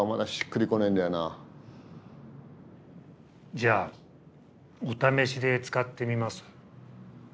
じゃお試しで使ってみます？